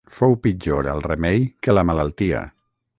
Fou pitjor el remei que la malaltia.